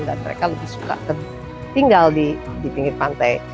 dan mereka lebih suka tinggal di pinggir pantai